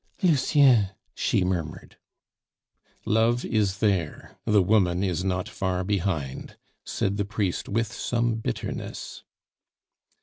"Lucien!" she murmured. "Love is there, the woman is not far behind," said the priest with some bitterness.